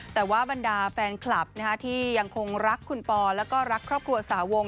แต่ว่าบรรดาแฟนคลับที่ยังคงรักคุณปอแล้วก็รักครอบครัวสาวง